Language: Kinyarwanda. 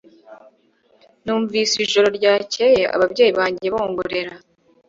Numvise ijoro ryakeye ababyeyi banjye bongorera.